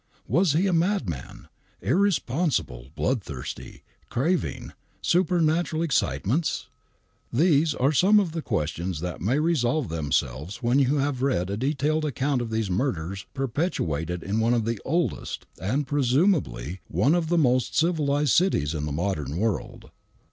Was he a madman — irresponsible, bloodthirsty, craving, super natural excitements ? The^e are some of the questions that may resolve themselves w^en you have read a detailed account of these murders perpe i;rated in one of the oldest, and, presumably, one of the most civilised cities of the modem world.